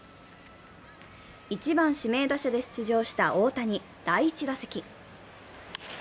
１番・指名打者で出場した大谷第１打席。